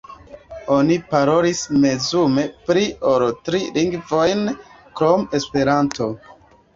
Oni parolis mezume pli ol tri lingvojn krom Esperanto.